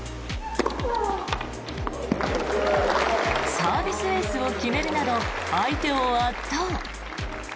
サービスエースを決めるなど相手を圧倒。